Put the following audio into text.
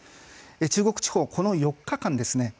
中国地方この４日間ですね